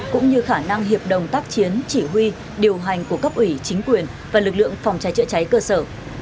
cũng như khả năng hiệp đồng tác chiến chỉ huy điều hành của cấp ủy chính quyền và lực lượng phòng cháy chữa cháy cơ sở